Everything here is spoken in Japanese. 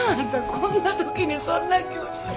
こんな時にそんな急に。